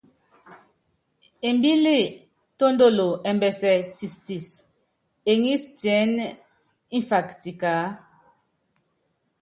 Embíl tɔ́ndɔlɔ ɛmbɛsɛ tistis, eŋís tiɛ́nɛ́ mfak tikaá.